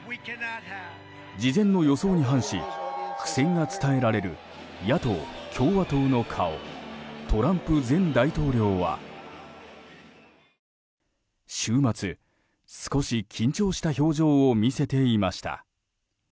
事前の予想に反し苦戦が伝えられる野党・共和党の顔トランプ前大統領は週末、少し緊張した表情を見せていました。